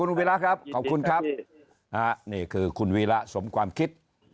ดีครับพี่นี่คือคุณวีร่ะสมความคิด